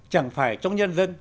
chẳng phải trong nhân dân